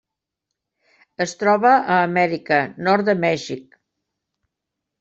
Es troba a Amèrica: nord de Mèxic.